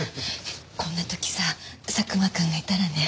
こんな時さ佐久間くんがいたらね。